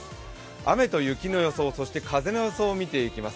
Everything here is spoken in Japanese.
雨と雪、そして風の予想を見ていきます。